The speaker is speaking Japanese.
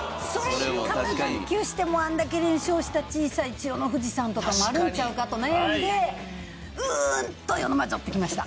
肩脱臼してもあんだけ連勝した小さい千代の富士さんとかもあるんちゃうかと悩んでうん東洋の魔女ってきました。